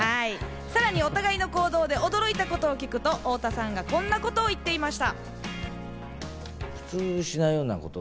さらにお互いの行動で驚いたことを聞くと太田さんがこんなことを言っていました。